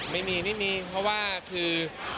ไม่มีเพราะว่าคือ